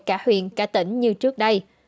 cả huyện cả tỉnh như trước đây